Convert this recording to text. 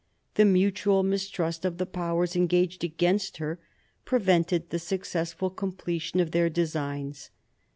The mutual mistrust of the Powers engaged against her prevented the successful completion of their designs.